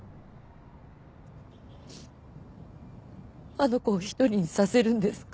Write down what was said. あの子を一人にさせるんですか？